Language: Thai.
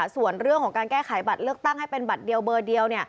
ส่วนเรื่องของการแก้ไขบัตรเลือกตั้งให้เป็นบัตรเดียวเบอร์เดียว